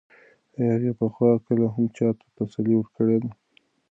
ایا هغې پخوا کله هم چا ته تسلي ورکړې ده؟